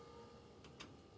tidak boleh sedikitpun salah